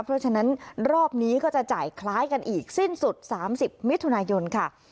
เพราะฉะนั้นรอบนี้ก็จะจ่ายคล้ายกันอีกสิ้นสุด๓๐มิถุนายนค่ะ